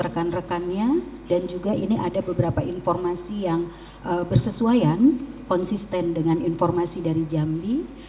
rekan rekannya dan juga ini ada beberapa informasi yang bersesuaian konsisten dengan informasi dari jambi